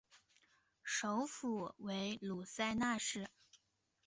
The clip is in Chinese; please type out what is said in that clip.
首府为卢塞纳市。